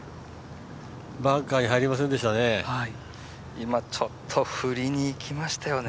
バンカーに入りませんでしたね。